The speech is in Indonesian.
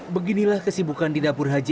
beginilah kesibukan di dapur haji